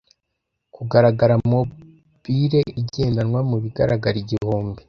kugaragara mobile igendanwa mubigaragara igihumbi